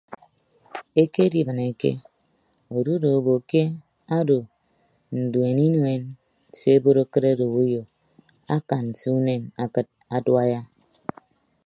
Eke idibịneke ududu obo ke odo nduen inuen se ebot akịt odop uyo akan se unen akịt aduaiya.